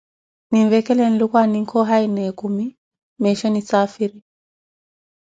Ninvekhele Nluku, aninke ohaayi na ekumi para meesho nisaafiri.